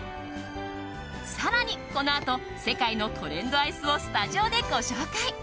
更にこのあと世界のトレンドアイスをスタジオでご紹介。